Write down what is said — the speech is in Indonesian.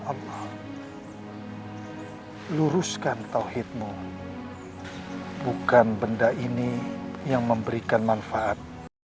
allah luruskan tawhidmu bukan benda ini yang memberikan manfaat